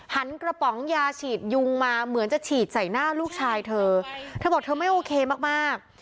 หันกระป๋องยาฉีดยุงมาเหมือนจะฉีดใส่หน้าลูกชายเธอเธอบอกเธอไม่โอเคมากมาก